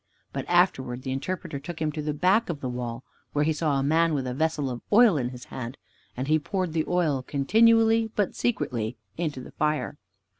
But afterwards the Interpreter took him to the back of the wall, where he saw a man with a vessel of oil in his hand, and he poured the oil continually, but secretly, into the fire.